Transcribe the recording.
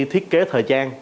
thiết kế thời trang